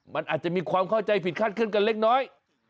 มันอาจจะมีความเข้าใจผิดขั้นขึ้นกันเล็กน้อย